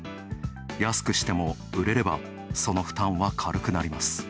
安くしても売れれば、その負担はかるくなります。